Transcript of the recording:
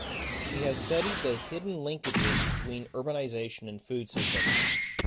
She has studied the "hidden linkages" between urbanisation and food systems.